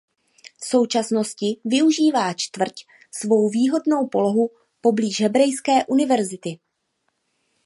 V současnosti využívá čtvrť svou výhodnou polohu poblíž Hebrejské univerzity.